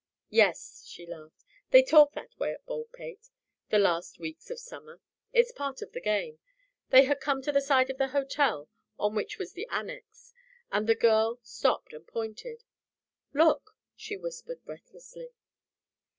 "Yes," she laughed, "they talk that way at Baldpate the last weeks of summer. It's part of the game." They had come to the side of the hotel on which was the annex, and the girl stopped and pointed. "Look!" she whispered breathlessly.